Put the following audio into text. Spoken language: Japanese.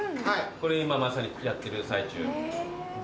これ今まさにやってる最中。